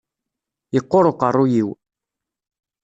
Yeqqur uqerruy-iw.